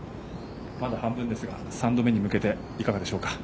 まだ半分ですが３度目に向けていかがでしょうか。